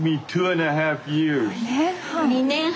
２年半。